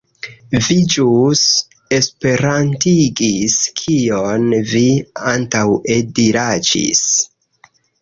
Vi ĵus esperantigis kion vi antaŭe diraĉis!